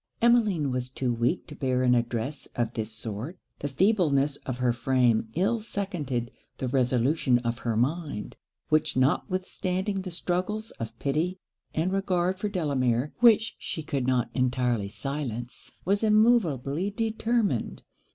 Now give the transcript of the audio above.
Emmeline was too weak to bear an address of this sort. The feebleness of her frame ill seconded the resolution of her mind; which, notwithstanding the struggles of pity and regard for Delamere, which she could not entirely silence, was immoveably determined.